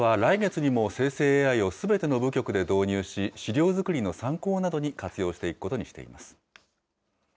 東京都は来月にも生成ＡＩをすべての部局で導入し、資料作りの参考などに活用していくことにしています。